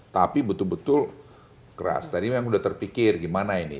tapi betul betul keras tadi memang sudah terpikir gimana ini